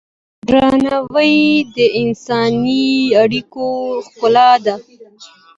درناوی د انساني اړیکو ښکلا ده.